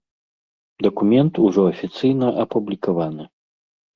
Дакумент ужо афіцыйна апублікаваны.